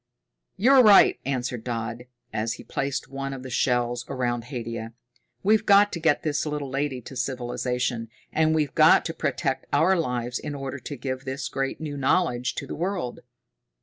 "You're right," answered Dodd, as he placed one of the shells around Haidia. "We've got to get this little lady to civilization, and we've got to protect our lives in order to give this great new knowledge to the world.